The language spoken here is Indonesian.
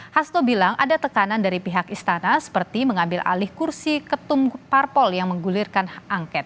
hasto bilang ada tekanan dari pihak istana seperti mengambil alih kursi ketum parpol yang menggulirkan hak angket